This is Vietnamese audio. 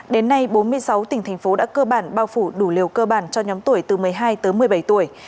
đến nay bốn mươi sáu tỉnh thành phố đã cơ bản bao phủ đủ liều cơ bản cho nhóm tuổi từ một mươi hai tới một mươi bảy tuổi